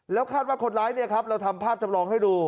แล้วคาดว่าคนร้ายเนี่ยครับเราทำภาพจำลองให้ดู